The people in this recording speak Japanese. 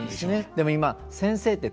でも今「先生」って。